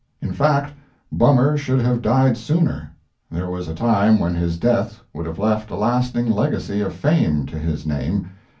In fact, Bummer should have died sooner: there was a time when his death would have left a lasting legacy of fame to his name.